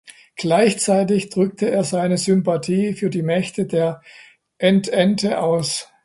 Gleichzeitig drückte er seine Sympathie für die Mächte der Entente aus.